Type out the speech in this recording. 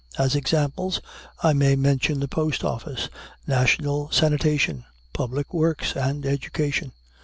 As examples, I may mention the post office, national sanitation, public works, and education.